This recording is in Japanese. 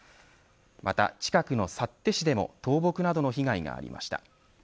また近くの幸手市でも倒木などの被害がありました。